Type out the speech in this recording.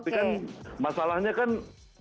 tapi kan masalahnya kan keluar aroma